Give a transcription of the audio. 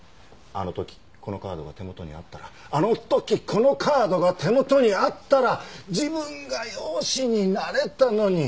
あの時このカードが手元にあったらあの時このカードが手元にあったら自分が養子になれたのに！